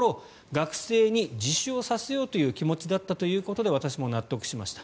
学生に自首をさせようという気持ちだったということで私も納得しました。